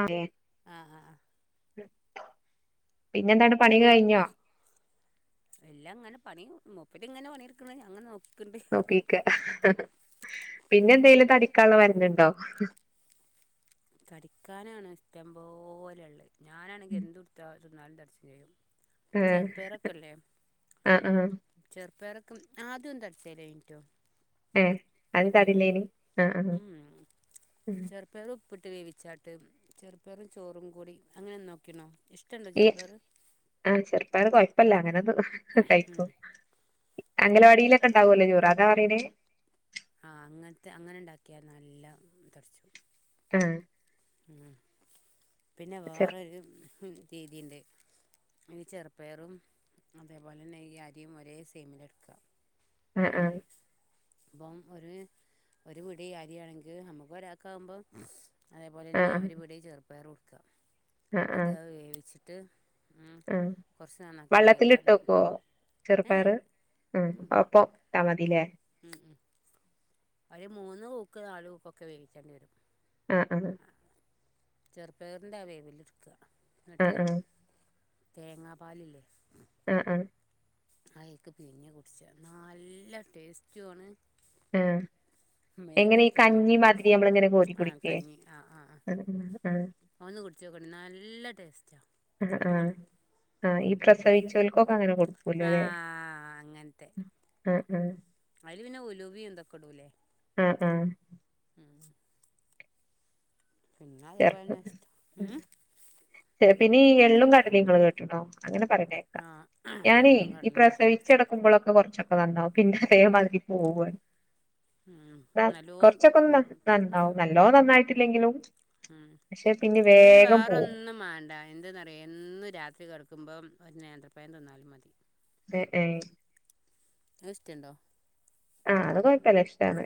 അതെ ആഹ് ആഹ് പിന്നെന്താാണ് പണി കഴിഞ്ഞോ എല്ലാം അങ്ങനെ പണി മുപ്പര് ഇങ്ങനെ പണിെഎടുക്കുന്നു ഞാൻ ഇങ്ങനെ നോക്കി നോക്കിക്കഹഹഹ പിന്നെ എന്തെലും തടിക്കാനുള്ള മരുന്നു ണ്ടോ തടിക്കാനാണ് ഇഷ്ടംപലെയള്ളത് ഞാനാണെങ്കിൽ എന്തു ഉടുത്ത തിന്നാലും തടിച്ചും ചെയ്യും ആഹ ചെറുപ്പയറൊക്കെ ഇല്ലേ ആഹ ആഹ ചെറുപ്പയറൊക്കെ ആദ്യം തടച്ചാല കഴഞ്ഞിട്ടോ ഏ അതിന് തടല്ലേനി ആഹ ആ ഉം ഉ ചെറുപ്പയർ ഉപ്പിട്ട് വേവിച്ചാട്ട് ചെറുപ്പറും ചോറും കൂടി അങ്ങനെ തിന്നു നോക്കിക്കൂണോ ഇഷ ഈ ആഹ ചെറുപ്പ യർ കു ഴപ്പല്ല അങ്ങനത് കയിക്കും അംഗലവാടിയിലൊക്കെ ഉണ്ടാാവുമല്ലോ ചോറ അതാ പറയണേ ആഹ അങ്ങനത്തെ അങ്ങനെ ഉണ്ടാക്കിയ നല്ല തുറച്ചു ആഹ ഉ പിന്നെ വേറരു രീതിുണ്ട് ഇനി ചെറുപ്പയറും അതേപോലെ തന്നെ ഈ അരിയും ഒരേ സെയിമിലെടുക്കുക ആഹ ആഹ ഇപ്പം ഒരു ഒരു കുടി ആരിയാണെങ്കിൽ നമുക്ക് ഒരാക്ക ആകുമ്പം അതേപോലെ തന്നെ ആഹ് ആഹ് ഒരുപീടി ചെറുപ്പയർ കൊടുക്കുക എന്നിട്ട് അത് വേവിച്ചിട്ട് ഉ കുറച്ച് നന്നാക്കി വെള്ളത്തിിട്ട് വേവിക്കാൻ വക്കുവോ ഏ ചെറുപ്പർ ഉ അ ട്ട മതില ഒരു മൂന്ന് പൂക്ക് നാാലു പൂപ്പൊക്കെ വേവിക്കേണ്ടി വരും ആഹ ആഹ ചെറുപ്പകറിന്റെ അവേവലിടുക്കുക ആഹ ആഹ തേങ്ങാ പാലല്ലേ ആഹ ആഹ അക്ക് പിഞ്ഞഞ് കുടിച്ച നല്ല ടേസ്റ്റു ആണ് ആഹ എങ്ങനെ ഈ തടിച്ചും ചെയ്യും കഞ്ഞിമാതിരി നമ്മള ഇങ്ങനെ കോരി ആ കുടിക്ക കഞ്ഞി ആ ആ ആ ഒന്ന് കുടിിച്ചു നോക്ക നല്ല ടേസ്റ്റ് ആഹ് ആഹ് ആഹ് ഈ പ്രസവിച്ചോക്കൊക്കെ അങ്ങനെ കൊടുക്കൂലോ ആ ലേ. ആഹ് ആഹ് അയ്ല് പിന്നെ ഉലുവിം ഇതൊക്കെ ഇടൂലേ. ആഹ് ആഹ് പിന്ന അതേ പോലന്നെ ചേർക്ക പിന്നെ ഈ എള്ളും കടലിം ഇങ്ങൾ കേട്ട്ണോ? അങ്ങനെ പറിണേക്ക. ആ ഞാനേ എള്ളും ഈ കടലയും വറുത്ത് പൊടിച്ചത് പ്രസവിച്ചടക്കുമ്പളൊക്കെ കൊർച്ചൊ ക്കെ നന്നാവും പിന്നെതേ മാതിരി പോവു ഉം [unintelligible] നല്ലോം കൊറച്ചൊക്കെ ഒന്ന് ഉം നന്ന് നന്നാവും നല്ലോം നന്നായിട്ടില്ലെങ്കിലും. ഉം പക്ഷെ പിന്നെ വേഗം വേറെ പോവും ഒന്നും മാണ്ട. എന്ത് ന്നറിയോ എന്നും രാത്രി കെടക്കുമ്പം ഒര് നേന്ത്രപ്പഴം തിന്നാലും മതി. എ ഏഹ് അഹ് ഇസ്റ്റൻണ്ടോ? ആഹ് അത് കൊയ്പ്പല്ല ഇഷ്ടാണ്.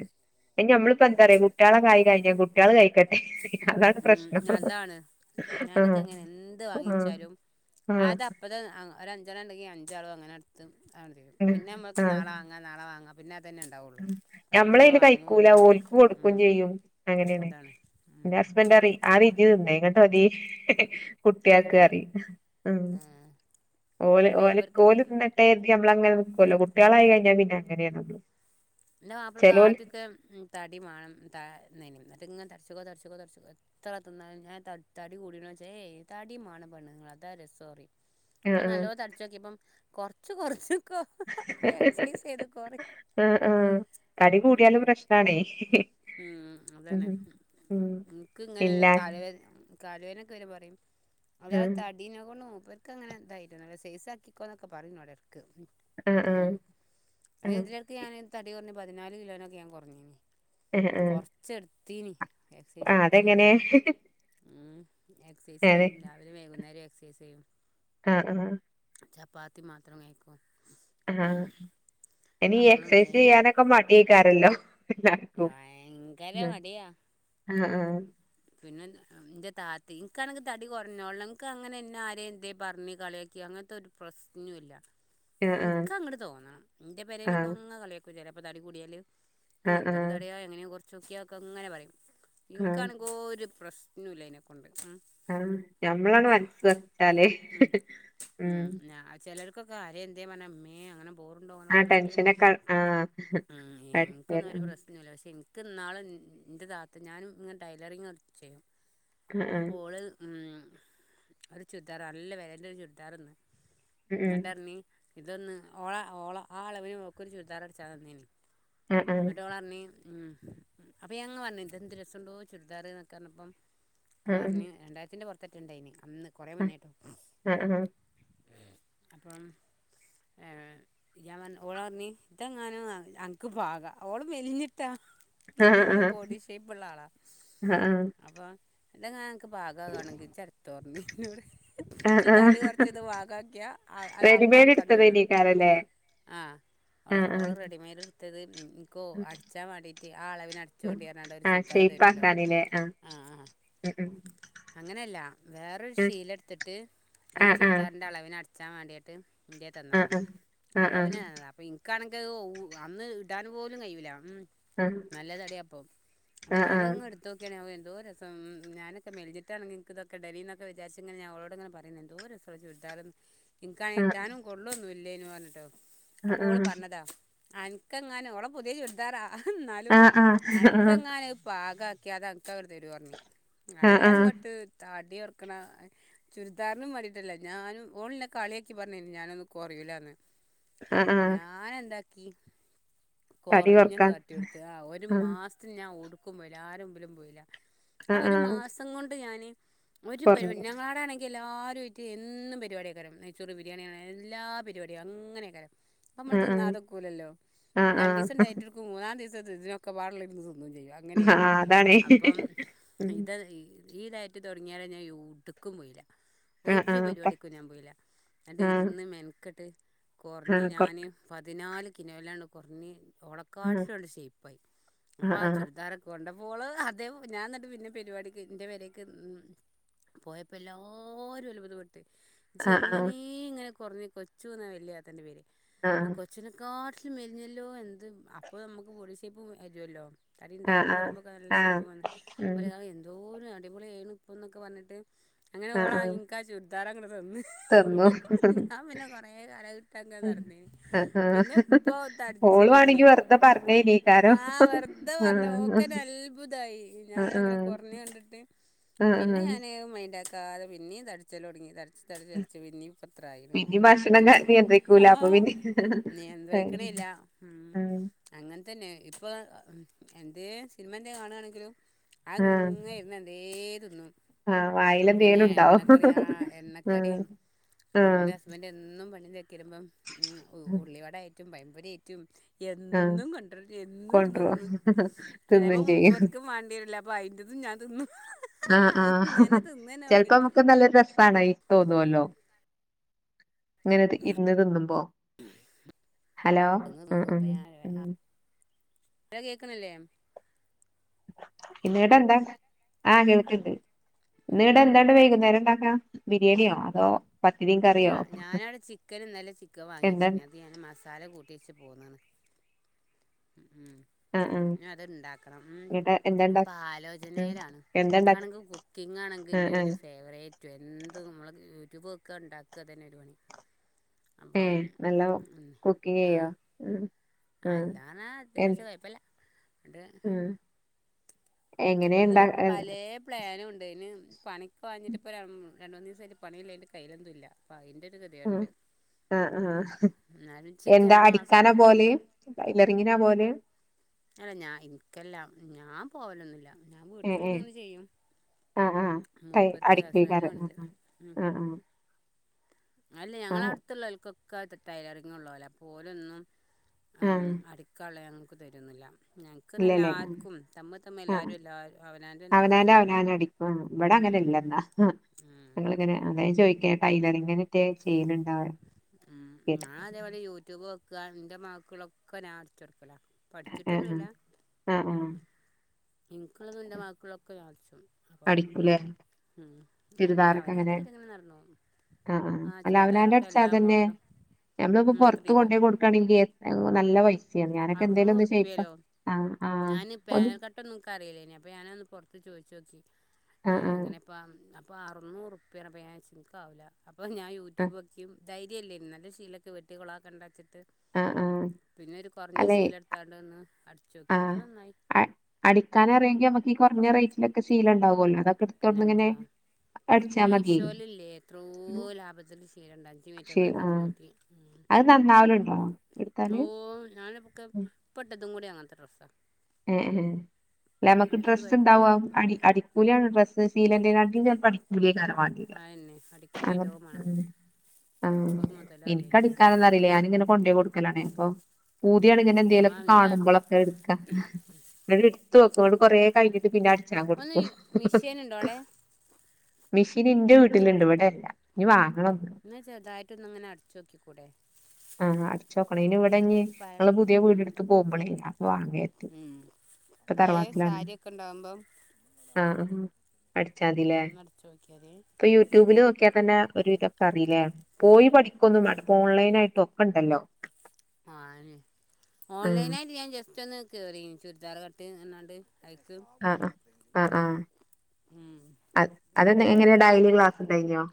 അയ്നി ഞമ്മളിപ്പോ എന്താ അറ്യോ കുട്ട്യാളെക്കായി കഴിഞ്ഞാ കുട്ടിയേള് കഴിക്ക ഉം അതാണ്. ഞാനൊക്കെ ആഹ് അങ്ങനെ എന്ത് ആഹ് വാങ്ങിയേച്ചാലും ആഹ് അത അപ്പത്തെ അം ഒര ഞ്ചണ്ണണ്ടെങ്കി അഞ്ചാളും അങ്ങനെടുത്തും അതാണ്ട് തീരും. പിന്നെ മ്മക്ക് നാളെ വാങ്ങാ നാളെ വാങ്ങാം. പിന്നെ അതന്നെ ഉണ്ടാവുള്ളൂ ഉം പിന്നെ ഞമ്മളയ്ന് കഴിക്കൂല വാങ്ങൂല്ല ഓൽക്ക് കൊടുക്കും ഉം ചെയ്യും അങ്ങനെണ്. അതാണ് ഇന്റെ ഉം ഹസ്ബൻഡറി ആദ്യം ഇജ്ജ് തിന്ന്, ഇന്നട്ട് മതി കുട്ടിയക്ക് അതന്നെ അറിയും ഉം ആ ഓല് എൻ്റെ ഓല് മൂപ്പർക്ക് കോല് തിന്നട്ടെ ഞമ്മളങ്ങനെ നിക്കുവല്ലോ കുട്ടികളായി കഴിഞ്ഞാ പിന്നെ അങ്ങനെയാ നമ്മള്. എന്റെ മാപ്പിളക്ക് ചെലോല് ആദ്യമൊക്കെ ഉം തടി വേണം ത [unintelligible] എന്നട്ടിങ്ങനെ ത തടിച്ചിക്കോ തടിച്ചിക്കോ തടിച്ചിക്കോ എത്ര തിന്നാലും ഞാൻ ത തടി കൂടീനോ ചോയ്ച്ച ഏഹ് തടി മാണം പെണ്ണുങ്ങള് അതാ രസോ പറയും ഇപ്പൊ ആഹ് നല്ലോ തടിച്ചോക്കിയപ്പം കൊറച്ച് കൊറച്ച് കൊ എക്സൈസ് ചെയ്ത് കൊറെ ആഹ് ആഹ് ആഹ് തടി കൂടിയാലും പ്രശ്നാണേ ഉം ഉം അതന്നെ ഉം എൻക്ക് ഇങ്ങനെ ഇല്ല കാലവേദ കാലവേദനൊക്കെ വരുമ്പ പറയും അതാ ആഹ് തടീനെ കൊണ്ട് മൂപ്പർക്ക് അങ്ങനെ [unintelligible] സെയ്സ് ആക്കിക്കോന്നൊക്കെ പറയും ഇന്നോട്. ക്ക് ആഹ് ആഹ് ഇം അഹ് ആഹ് ഇതിനെടക്ക് ഞാൻ തടി കൊറഞ്ഞ് പതിനാല് കിലോനൊക്കെ ഞാൻ കൊറഞ്ഞീനി ആഹ് ആഹ് കൊറച്ചെടുത്തീനി. ആഹ് എക്സൈസൊക്കെ ചെയ്ത് അതെങ്ങനെ മ്മ് എക്സൈസ് ചെയ്യും രാവിലെ വൈകുന്നേരം എ [unintelligible] ആഹ്‌ ആഹ്‌ ചപ്പാത്തി മാത്രം കയിക്കും. ആ ഇനി വേ എക്സസൈസ് ചെയ്യാനൊക്കെ മടിയേക്കാരല്ലോ എല്ലാർക്കും ഭയങ്കര മ്മ് മടിയാ ആഹ്‌ ആഹ്‌ ന്റെ ത്താതേയും എനിക്കാണെങ്കി തടി കൊറഞ്ഞോളണം എനിക്ക് അങ്ങനെ എന്നെ ആരെ എന്തേ പറഞ്ഞു കളിയാക്കി അങ്ങനത്തോരു പ്ര പ്രശ്നോം ഇല്ല ആ ആ എനക്ക് അങ്ങ്ട് തോന്നണം എന്റെ ആ പേരയിലൊക്കെങ്ങു കളിയാക്കും ചെലപ്പോ തടികൂടിയാല് എന്തൊരു ആ തടിയാ എങ്ങനെ കൊറച്ചൊക്കെക്ക്യ അങ്ങനെ പറയും ആ എനിക്കാണെങ്കോ ഒരു പ്രശ് നൂല്ല അയിനെക്കൊണ്ട്. ആ ഞമ്മളാണ് മനസ്സ് വെച്ചാല് ഉം ക്കെകാര്യം എന്തേ [unintelligible] അങ്ങനെ ബോറുണ്ടോ ആ അങ്ങനൊക്കെ ചോദിച്ചിട്ട് ടെൻഷനൊക്കെ ആഹ് എനക്കൊന്നും ഒരു പ്രശ്നമില്ല പക്ഷേ എനിക്ക്ന്നാളും എൻ്റെ താത്തത്ത് ഞാനും ഇങ്ങനെ ടൈലറിങ്ങോക്കെ ചെയ്യും. ആ ആ അപ്പോൾഓള് മ്മ് ഒരു ചുരിദാർ നല്ല വെലന്റ ഒരു ചുരിദാറ്ന്ന് ഉം ന്നിട്ട് റഞ്ഞി ഇതൊന്ന് ഓള ഓള ആ അളവിന് ഓൾക്ക് ഒരു ചുരിദാർ അടിച്ചാമതിയിനി ആ ആ എന്നിട്ട്ഓള്‌പറഞ്ഞി ഉം അപ്പൊ ഞങ്ങ് പറഞ്ഞ് ഇതെന്ത് രസവൊണ്ടോ ചുരിദാർ പറഞ്ഞപ്പം ആ ആ ഓളറഞ്ഞു രണ്ടായിരത്തിന്റെ പൊറത്ത് ഇണ്ടായിന് അന്ന് കൊറെ മുന്നേട്ടോ ആ ആ ആ അപ്പം ഏഹ് ഇയാമാൻ ഓള് പറഞ്ഞ് ഇതെങ്ങാന അനക്ക് പ ഓള് മെലിഞ്ഞിട്ടാ. നല്ല ആ ബോഡി ഷേപ്പിള്ള ആളാ ആ അപ്പോ [unintelligible] പാകാകാണെങ്കി ഇജ്ജ് എടുത്തോ റിഞ്ഞ് ഇന്നോട് ആ ജ്ജ് ആ തടി കൊറച്ചത് പാകക്കിയാ അത് അപ്പ റെഡിമെയ്ഡ് അനക്കങ്ങട്ട് തരാണ് എടുത്തതേനീക്കാരല്ലേ ആ ആ ആ ഓൾ റെഡിമെയഡ് എടുത്തത് മ്മ് നിനിക്കോ അടച്ചാൻ വേണ്ടീട്ട് ആ അളവിന് ആ അടിച്ചോണ്ടിയതാണ്ട് ഒരു ആ ചുരിദാർ തരുല്ലോ ഷേപ്പാക്കാനില്ലേ ആ ആ [unintelligible] അങ്ങനെയല്ല വേറൊരു ഉം ശീല എടുത്തിട്ട് ഈ ആ ആ ചുരിദാറിന്റെ അളവിനു അടി അടിച്ചാമണ്ടിട്ട് എന്റെ ആ ആ തന്നതാ. ആ ആ ആ അളവിന് തന്നതാണ് എനിക്കാണെങ്കി അത് ഓ അന്ന് ഇ ഇടാൻ പോലും കഴിയൂല ഉം ആ നല്ല തടിയാപ്പോ ആ അപ്പൊ ആ ആ ഞാനതങ്ങ് എടുത്ത നോക്കിയാണെ എന്തൊരു, രസം ഞാനൊക്കെ മെൽഞ്ഞിട്ടാണെങ്കി ഇൻക്ക് ഇതൊക്കെ ഇടായിന്ന് എന്നൊക്കെ വിചാരിച്ച് ഞാൻ ഓളോട് ഇങ്ങനെ പറയും എന്തോരസം ഓളെ ചുരിദാർ. [unintelligible] ഇൻകാണെങ്കിൽ. ഇടാനും കൊള്ളൊന്നും ഇലെയ്ന്നു പറഞ്ട്ടൊ അപ്പോൾ ഓൾ പറഞ്ഞതാ ആ അനക്കെങ്ങാനും ഓളെ പുതിയ ചുരിദാറാ ഇന്നാലും ആ ആ ആ അനക്കെങ്ങാനും അത് പാകാക്കിയാല് അതെ [unintelligible] തെറി പറഞ്ഞ് ആ അയ്ല് ആ അങ്ങട്ട് ത തടി കൊറക്കണ ചുരിദാറിനും വേണ്ടി- ട്ടല്ല ഞാനും ഓള്ന്നെ കളിയാക്കി പറഞ്ഞിരുന്നു ഞാനൊന്നും കൊറയൂല്ലന്ന് ആ ആ ഞാന എന്താക്കി തടി കൊറഞ്ഞ് ആട്ട് കൊറക്കാൻ കാട്ടി കൊടുത്ത് ആ ഒരു ആഹ് മാസത്തിന് ഞാൻ എടുക്കും പോയില്ല ആരെ മുൻപിലും പോയില്ല.... ആ ആഹ് ഒരു ആഹ് മാസം കൊണ്ട് ഞാൻ ഒരു പരിവാ കൊറഞ്ഞു ഞങ്ങളോടാണങ്കി എല്ലാരു ആയിട്ട് എന്നും പരിവാടി ആകാരം നെയ് ചോറ് ബിരിയാണി അങ്ങനെ എല്ലാ പരിപടി അങ്ങനെ കാരം നമ്മള് ആഹ് ആഹ് തിന്നാതൊക്കൂലല്ലോ ആഹ് രണ്ട് ആഹ് ദിവസം ഡയറ്റ് എടുക്കും മൂന്നാം ദിവസം ഇതിനൊക്കെപാടുള്ളതിരുന്ന്‌ തിന്നും... [unintelligible] ആഹ് അങ്ങനെന്ന് അതാണേ അപ്പം ഉം ഇത് ഈ ഡയറ്റ് തുടങ്ങിയാരെ ഞാൻ എവിട്ക്കും പോയില്ല... ആഹ് ഒരു ആഹ് പ പരിവാടിക്കും ഞാൻ പോയ്ല്ല അ ണ്ട് ആഹ് ഇരുന്ന് മെൻക്കെട്ട് കൊറഞ്ഞ് ആഹ് കൊറ ഞാന് പതിനാല് കിലോലാണ്ട് കൊറഞ്ഞ് ആഹ് ഓളകാട്ടിലും ആണ്ട് ഷെയ്പ്പായി അപ്പൊ ആഹ് ആ ആഹ് ചുരിദാാരൊക്കെ കൊണ്ട ഓള് അതെ ഞാൻ ന്നിട്ട് പിന്നെ പരിവാടിക്ക് ന്റെ പെരേക്ക് പോയപ്പ എല്ലാരു അത്ഭുതപ്പെട്ട് ആഹ് ഇജ്ജെങ്ങനേ ഇങ്ങനെ കൊറഞ്ഞ് കൊച്ചൂന്നാ വല്യനാത്താന്റെ പേര് ആഹ് കൊച്ചൂന ക്കാട്ടിലും മെലിഞ്ഞല്ലോ എന്ത് അപ്പോ നമുക്ക് ബോഡിഷേപ്പ് വരുവല്ലോ തടി ആഹ് ഇണ്ടായിട്ട് ആഹ് ആഹ് കുറയുമ്പോക്കെ നല്ല ആഹ് ഷേപ്പും വന്ന് ഉം ഒരാൾ എന്തോര് അടിപൊളിയാണ് ഇപ്പ എന്നൊക്കെ പറഞ്ഞിട്ട് അങ്ങനെ ആഹ് ഓളാ ആഹ് ഇൻക്കാ ചുരിദാറങ്ങട് തന്ന് തന്നു ഞാൻ പിന്നെ കൊറേ കാലം അതിട്ടാങ്ങെട് നടന്നീന്. ഓളുവാണെങ്കി വെറുതെ പറഞ്ഞേനീക്കാരോ ആഹ് വെറുതെ പറഞ്ഞു ആഹ്. ഓക്കന്നെ അത്ഭുതായി ആഹ് ആഹ് ഞാനങ്ങനെ കുറഞ്ഞ് കണ്ടിട്ട് ആഹ് പിന്നെ ആഹ് ഞാന് മൈൻഡാ ക്കാതെ പിന്നേം തടിച്ചല് തൊടങ്ങി ത പിന്നെ ഭക്ഷണം ക ഉം നിയന്ത്രിക്കൂല അപ്പൊ ആഹ് പിന്നെ നിയന്ത്രിക്കണില്ല ഇം ആഹ് അങ്ങനെതന്നെ ഇപ്പാ എന്തേ സിനിമ എന്തെ കാണാണെങ്കിലും ആഹ് അതിങ്ങനെ ഇരുന്ന് എന്തേ തിന്നും ആഹ് പിന്നെ വായിലെന്തേലുണ്ടാവും ആഹ് എന്റെ ഹസ്ബൻഡ് എന്നും പണി തെക്കിരുമ്പം ആഹ് ഉള്ളിവടയാറ്റും പഴമ്പൊരി ആയിറ്റും ആഹ് എന്നും കൊണ്ടരും എന്നും ഇരുന്നു കൊണ്ട്രും തിന്നും ചെലേപ്പ തിന്നും ചെയ്യും മുപ്പർക്കും വേണ്ടിവരില്ല അയ്ന്റതും ഞാൻ തിന്നും. ആഹ് അങ്ങനെ ആഹ് തിന്നന്നെ പണി ചെലപ്പോ നമുക്ക് നല്ല രസാണയ്. തോന്നുവല്ലോ ഇങ്ങനെത് ഇര്ന്ന് തിന്നുമ്പോ ഹലോ തിന്ന് ആഹ് ആഹ്. കേക്ക്ണില്ലേ? ഇന്നീടെ എന്താ അഹ് കേൾകിൻഡ് ഇന്നീടെ ഉം എന്താണ്ട് വൈകുന്നേരം ഉണ്ടാക്കാ ബിരിയാണിയോ അതോ പത്തിരിയും ഇല്ല കറിയോ ഞാൻ അവിടെ ചിക്കന ഞാൻ ചിക്കൻ എന്താ വാങ്ങിച്ചിനി അത് ഞാൻ മസാല കൂട്ടി വച്ച് പോുന്നന്ന് ആ ഇനി അത്ണ്ടാക്കണം മ് ഇണ്ടാ ഇപ്പൊ ഉം ആലോചനയിലാണ് എന്താ ഇണ്ടാക്ക ക്കണെങ്കിൽ കുക്കിംഗ് ആണെങ്കിൽ ആഹ് എന്റെ ഒരു ആഹ് ഫേവറേറ്റ് എന്ത് നമ്മൾ റ്റൂബൊക്കെ ഉണ്ടാക്കുക തന്നെ ഒരു പണി ഏ അപ്പം നല്ല കുക്കിങ് ചെയ്യാ അല്ലാണ അത്യാവശ്യ കുഴപ്പില്ല ണ്ട് ആഹ് എങ്ങനെ ഇണ്ടാ ഇന്ന്പ്പോൊ പലെ ആഹ് പ്ലാനും ഉണ്ട് അതിന് പണിക്ക് പൊഞ്ഞിട്ടിപ്പോ രണ്ട് മൂന്ന് ദിവസമായിട്ട് പണില്ലതിന്റെ കയ്യിലൊുന്നില്ല അപ്പോ അയിൻ്റെ കതിയുണ്ട് ആ ആ എന്താ മാസം അടിക്കാനെ പോൽ ടൈലോറിങ്ങിനാ പോൽ അല്ല ഞാൻ ഇനിക്കെല്ലാം ഞാൻ പോവലൊന്നില്ല ഞാൻ വീട്ടിലിരിന്ന് ഇങ്ങന ചെയ്യും ആ ആ കൈ മൂപ്പർക്ക് ഹസ്ബൻഡിന് അടിക്കകറ് പണില്ല ഉം ആ ആ ക്കത്ത് ടൈലോറിങ് ഉള്ള പോലെ പോലൊന്നും ആഹ് അടിക്കള്ള ഞങ്ങൾക്ക് തരുന്നില്ല ഞങ്ങക്ക് നല്ല ഇല്ലല്ലേ ആർക്കും തമ്മി തമ്മി ആഹ് എല്ലാരും എല്ലാരും അവനൻ തന്നെ നടക്കണ അലേ അങ്ങനല്ലാങ്ങന്ന ഞങ്ങളിങ്ങനെ അതായ ചോദിക്ക ടൈലോറിങ്ങിന്റെ ചെയ്യലുണ്ടാവ ഉം ഞാൻ അതേപോലെ യൂട്യൂബ് വെക്ക എന്റെ മക്കുകളൊക്കെ ഞാൻ അടിച്ചടുക്കല ആഹ് ആഹ് പഠിച്ചിട്ടൊന്നുല്ല ആഹ് ആഹ് എനിക്കുള്ളതും എന്റെ മക്കളൊക്കെ ഞാ അടിച്ചോ അപ്പൊ അടിക്കൂലേ ഉം അങ്ങനെ അവനവന്റെ കാര്യങ്ങൾ നടന്നു പോകും ആ ആ അല്ല അവനാന്റെ ചുരിദാറൊക്കെ അടച്ചാ എല്ലാ തന്നെ മോഡലും നഞമ്മളിപ്പോ ഉം പുൊറത്ത് കൊണ്ട ത്രീ പോ കൊടുക്കാണെങ്കിൽ നല്ല പൈസ ഞാനൊക്കെ എന്തേലും ഒകെ ഷേപ്പ അറുന്നൂറുപ്യലോ ആ ഞാൻ പാനൽക്കട്ടൊന്നക്ക് അറിയില്ലേനി അപ്പൊഞാനന്ന് പുറത്ത് ചോദിച്ചു ചോദിച് ആഹ് ആഹ് എങ്ങനെപ്പം അപ്പോ അറുന്നൂറ്പ്പ്യ ഞാൻവിചാരിച് എനിക്കാവൂല അപ്പോ ഞാൻ ആഹ് യൂട്യൂബ്ക്കും ധൈര്യല്ലരുന്നു നല്ല ശീലൊക്ക വെിട്ടികളാക്കേണ്ട ചി ആഹ് ആഹ് പിന്നെ ഒരു കുറഞ്ഞ ശീലം എടുത്താണ്ട്ന്ന് ആ അടിക്കാന അറിയെങ്കിൽ നമുക്ക് കുറഞ്ഞ റേറ്റിലൊക്കെ ശീല ഉണ്ടാവുമല്ലോ അതെടുത്തോ എങ്ങനെ മീഷോൽല്ലേ എത്രോ ലാഭത്തിൽ ശീലണ്ട് അഞ്ച് കൃഷി മീറ്ററിനൊക്കെ ആഹ് ഇരുന്നൂറ്റി അത് നന്നാവല് ഉണ്ടോ എടുത്താല് ഇപ്പൊട്ടതും കൂടി അങ്ങനെ ഏ ഏ അല്ല നമ്മുക്ക് ഒരു ഡ്രസ്സ് ഉണ്ടാവോ കൊഴപ്പൂല്ല അടി അടിക്കൂലിയാണ് ഡ്രസ്സ്‌ ശീലന്റെടിഞാൻ പഠിക്കിയ കാര്മാല്ല [unintelligible] അടിക്കൂറിിയ [unintelligible] വേണം ആ എനിക്കടിക്കാനൊന്നും അറിയില്ല ഞാനിങ്ങനെ കൊണ്ടോയി കൊടുക്കലാണ് അപ്പം പൂതിയാണ് ഇങ്ങനെ ആ എന്തേലുവൊക്കെ എന്താ കാണുമ്പോളൊക്കെ എടുക്കാൻ ഇങ്ങോട് [unintelligible] എടുത്ത് വെക്കും എന്നിട്ട് കൊറേ കഴിഞ്ഞിട്ട് പിന്നെ അടിച്ചാൻ ഒന്ന് കൊടുക്കും മിഷീനുണ്ടോ അവിടെ മിഷീൻ എന്റെ വീട്ടിലുണ്ട് ഇവിടെയല്ല ഇനി വാങ എന്നാ ചെുതായിട്ടൊന്ന് ഇങ്ങനെ അടിച്ചു നോക്കിക്കൂടെ ആ അടിച്ചോക്കണം ഇനി ഇവിടെ ന്ന് പ ഞങ്ങള് പുതിയ ഉം വീടെടുത്ത് പോവുമ്പളേ അപ്പൊ വാങ്ങി വെക്കും ഉം പഴയ സാരിയൊക്കെ ഉണ്ടാവുമ്പം ആ ആ ഒന്നടിച്ചോക്കിയാ മതി ഇപ്പൊ യൂട്യൂബില് നോക്കിയാ തന്നെ ഒരു ഇതൊക്കെ അറിയില്ലേ പോയി പഠിക്കൊന്നും വേണ്ട ഇപ്പൊ ഓൺലൈൻ ആയിട്ടോ ഒണ്ടല്ലോ ആ ഓൺലൈനായിട്ട് ഞാൻ ജസ്റ്റ് ഒന്ന് കേറി ചുരിദാറ് കട്ട് എന്നാണ്ട് അയിക്ക് ആഹ് ആഹ് ആഹ് ആഹ് അ അതെ എങ്ങനെയാ ഡയലി ക്ലാസ്സ്‌ ണ്ടായീനോ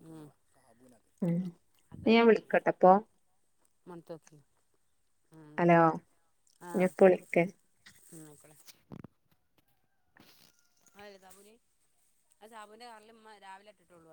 ഉം ന്നാ ഞാൻ വിളിക്കട്ടപ്പൊ. മണത്തു നോക്കി ആ ഹലോ ആ ഞാൻ ഇപ്പ വിളിക്കേ ഉം അയ്ക്കോട്ടെ. അതല്ലെ സാബൂന് അത് സാബൂന്റെ കാറിലുമ്മ രാവിലെ ഇട്ടിട്ടൊള്ളൂ അത്